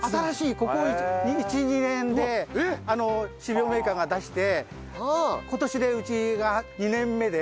ここ１２年で種苗メーカーが出して今年でうちが２年目で。